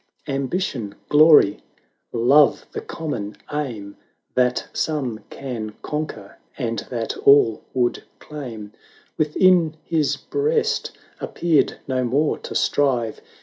Ambition, Glory, Love, the common aim, That some can conquer, and that all would claim, 80 Within his breast appeared no more to strive.